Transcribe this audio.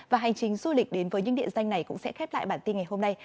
và hành trình du lịch đến với những địa danh này cũng sẽ khép lại bản tin ngày hôm nay